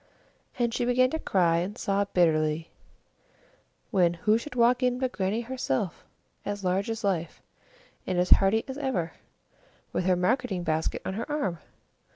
And she began to cry and sob bitterly when, who should walk in but Grannie herself, as large as life, and as hearty as ever, with her marketing basket on her arm!